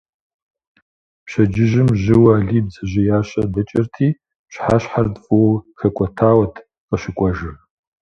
Пщэдджыжьым жьыуэ Алий бдзэжьеящэ дэкӏырти, пщыхьэщхьэр фӏыуэ хэкӏуэтауэт къыщыкӏуэжыр.